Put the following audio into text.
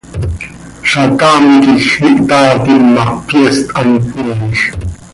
Zacaam quij ihtaatim ma, pyeest hant miij.